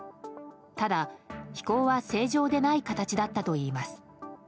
ただ、飛行は正常でない形だったといいます。